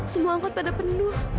semua angkot pada penuh